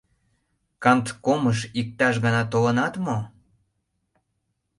Канткомыш иктаж гана толынат мо?